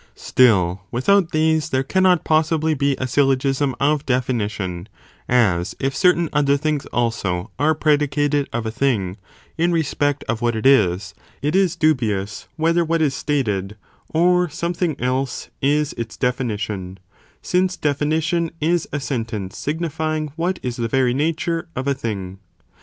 Still without these there cannot possibly be a syllogism of definition, as if certain other things also are predicated of a thing, in respect of what it is, it is dubious whether what is stated, or something else, is its definition, since definition is a sentence signifying what is the very na ture of a thing.!